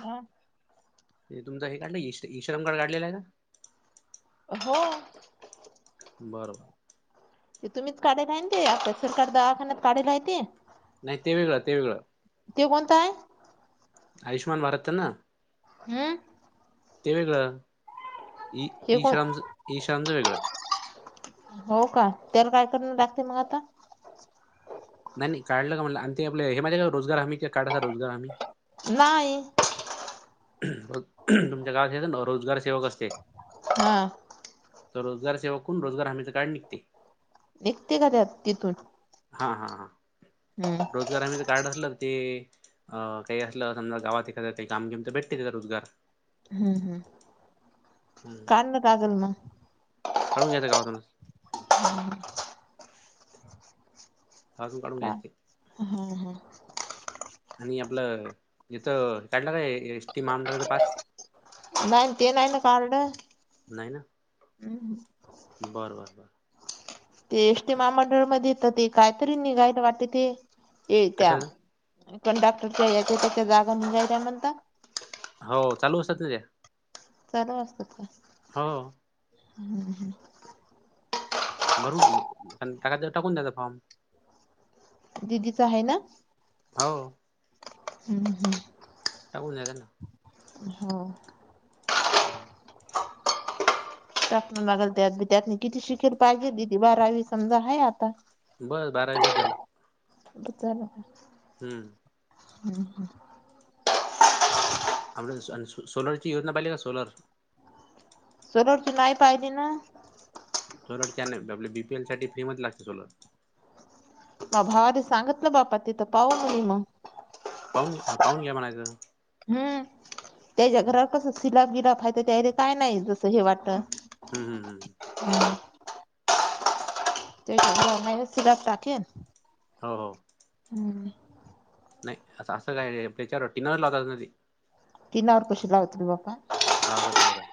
हा. ते तुमचं हे काढलं इश इश्रम कार्ड काढलेलं आहे का? हो. बर बर. ते तुम्हीच काढेल आहेना ते आपलं सरकार दवाखान्यात काढेल आहे ते नाही ते वेगळं ते वेगळं ते कोणतं आहे? आयुष्मान भारते ना हम. ते वेगळं ई ते कोण ईश्रमचं ईश्रमचं वेगळं हो का तर काय करन लागतंय मग आता नाही नाही काढलं का म्हणलं आणि ते आपलं हे माहितीये का रोजगार हमी चे कार्ड येता रोजगार हमी नाही. रोज तुमच्या गावात हे असन ना रोजगारसेेवक असते हा तो रोजगार सेेवककडून रोजगार हमीच कार्ड निघते. निघते का त्यात तिथून? हा हा हा हम्म रोजगार हमीच कार्ड असलंना ते अ काही असलं समजा गावात एखादं काही काम बिम तर भेटते तेचा रोजगार हम्म हम्म हम्म काण कागल मग काढून घ्यायचं गावातूनच हा. गावातून काढून घ्यायचं ते हम्म हम्म आणि आपलं इथं काढलं का हे एस टी महामंडळाचा पास? नाहीन ते नाही ना कार्ड नाही ना उ हम्म बरं बरं बरं ते एस टी महामंडळमध्येत ते कायतरी निघायल वाटतं ते ये त्या कशाच कंडाक्टरच्या याच्या त्याच्या जागा निघायल्या म्हणता हो चालू असतात ना त्या चालू असतात का? हो. हम्म हम्म हम्म भरून म्हणजे अन टाकायचा त टाकून द्यायचा द्यायचा फॉर्म दिदीच हाये ना? हव हम्म हम्म टाकून दयायच ना हो. हम्म. टाकणं लागलं त्यात बी त्यातनी किती शिकेल पाहिजे दिदी बारावी समजा आहे आता बस बारावी बस झालं. बला [unintelligible] हम्म हम्म हम्म आपली सोलरची योजना पाहिली का सोलर सोलरची नाही पाहिलीे ना सोलर न आप बीपीएल साठी फ्री मधला सोलर म भावाने सांगतलं बापा तिथं पाह नाही मग पाहून घे हा पाहून घ्या म्हणायचं हम्म त्याच्या हम्म, घरावर कस सिलाप गिलाब आहेाय तर त्यारी काय नाही जसं हे वाटतं. हम्म हम्म हम्म ते मा सिलाप टाके [unintelligible] हो हो हम् नाही असं असं काय त्याच्यावर टिनवर लॉक किनवर कशी लावते बापा लावतात लावतात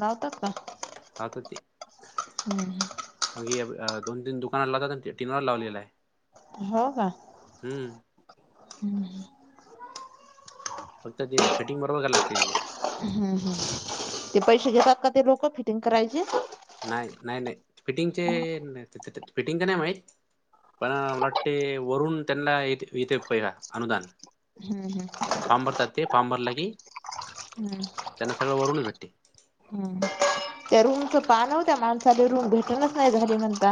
लावतात का राता ते हम्म म्ही दोन तीन दुकाना लावत टीनवर लावलेला आहे हो का हम्म हम्म ह फक्त ते फिटिंग बरोबर कयला लागते हम्म हम् ते पैसे घेतात का ते लोक फिटिंग करायचे नाही नाही नाही हम्म फिटिंगचे फिटिंग का नाही माहीत पण मला वाटते वरून त्यांना येते पहि अनुदान हम् हम् पाांबर त ते पाबर लाग हम्म त्यांना सगळं वरूनच भेटते हम्म त्या रूमचं पान होत्या माणसाला रूम घटनच नाही झाले नणता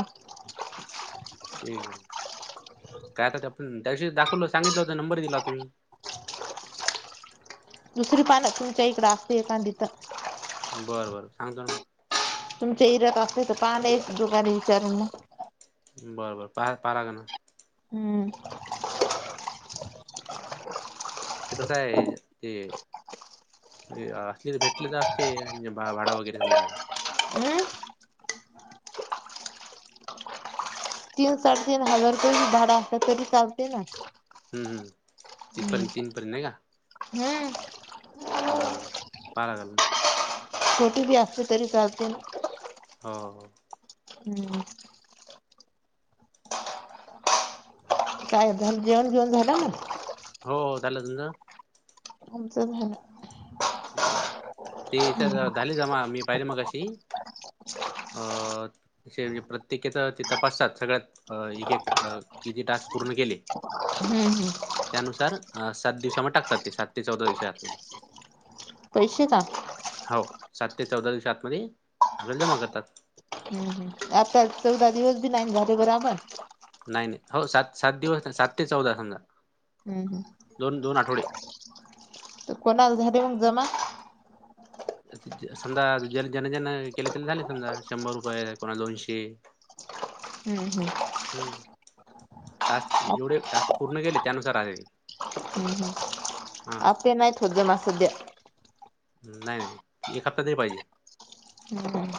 तेठी काय आ आपण त्याशी दाखवल सांगितलं होता नंबर दिला तुम्ही दुसरी पानं तुमच्या इकडें असते एांदी तर बरं बरं सांगतो म तुमच्या इरत असले तर पाले एक दुकाने विचारून म बरं बर पहा पारा ग ना हम्म ते कसं आहे ते असली तर भेटले तर असते म्हे भाडा वगैरे समधा हम् तीन साडेतीीन हजारपै झाड असत तरी चालते ना ह ह हम्म तिथपर्यंत तीनपर्यंत आहे का हम्म बरं बर पाारा झाल म छोटी बी असते तरी लते हो हम्म काय ण जेवण घेऊन झालं मग हो झालं तुमचं आमचं झालं बरर तेथ हम्म झाले जामा मी पाहिले मग कशी अ असे म्हणजे प्रत्येकचा ते तपासतात सगळ्यात एक एक किती टास्क पूर्ण केले हम्म हम्म त्यानुसार अ सात दिवसामध्ये टाकतात ते सात ते चौदा दिवस यातमध्ये पैश का हाव सात ते चौदा दिवस आतमध्ये आपल्याला जमा करतात. हम्म हम्म आता चौदा दिवस बी नाय न झाले बराबर. नाय नाय हो सात सात दिवस सात ते चौदा समजा हम्म हम्म दोन दोन आठवडे त कोणाला झाले मंग जमा अत ज समजा ज ज्यांना ज्यांना केले त्यांना झाले समजा शंभर रुपये कोणा दोनशे [inaudible] हूं हूं हम्म टास्क एवढे टास्क पूर्ण केले त्यानुसार आले ते. हम्म हम्म आपे नाय थोडे देम आ सदया नाय एक हप्ता तरी पाहिजे. हूं हम्म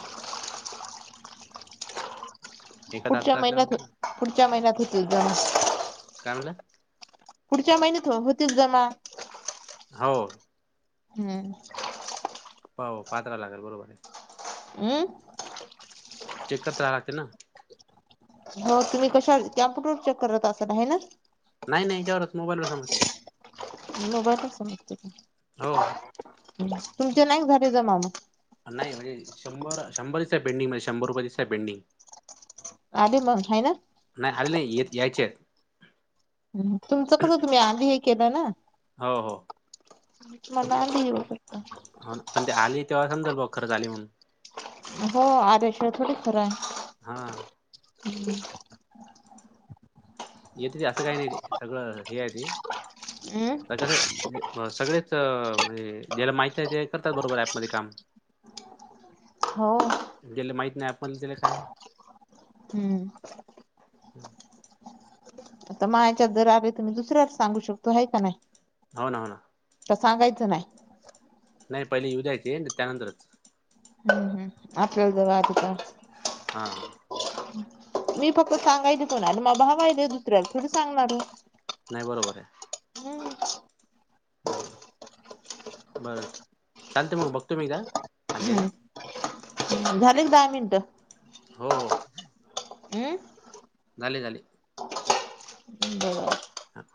एखादा पुढच्या हप्ता महिन्यात असल्यावर पुढच्या महिन्यात होेतील दोन काय म्हणला? पुढच्या महिन्यात हो होतील जमा. हो. हम्म हो पात्रा लागल बरोबर ये. अम्म चेक करताना लागतील ना हो तुम्ही कशा कॅम्प्युटर चेक करत असाल हाय न नाय नाय ह्याच्यावरच मोबाईल वर सजतय. मोबाईल वर समजतंय काय? हो. तुमचे नाय झाले जमा म नाय म्हणजे शंभर शंभर दिसताय पेंडिंग मध्ये शंभर रुपयाे दिसताय पेंडिंग. आले मंग हाय ना नाय आले नाय येत यायचेत हूं तुमचं कसं तुम्ही आधी हे केलं ना हो हो मंग तुम्हाला येऊ शकता हो न पण ते आले तेव्हा समजल बुआ खरंच आले म्हणून हो आल्याशिवाय थोडीच खरं हाय. हा. [unintelligible] येती ते असं काय नाही ते सगळं हे हाय ती अ त कस म्हजे सगळेच म्हणजे ज्याला माहीत आहे ते करतात बरोबर ऍपमध्ये काम. हो ज्याला माहित नाय अँप मधलं त्याला काय हम्म आता मायाच्यात जर आले त मी दुसऱ्या सांगू शकतो हाय का नाय. हो न हो न त सांगायचं नाय. नाय पहिले येऊ द्यायचे न त्यानंतरच हम्म हम्म आपल्याला जवा आ ते का हा मी फक्त सांगायच कोणाले मग हवाय दुसऱ्यापेक्ष सांगणार नाही बरोबर आहे बरं चालत मग बघतो मी का आलीरीे हम्म झाले दहा मिनिटं हो हो हमं झाले झाले ब ह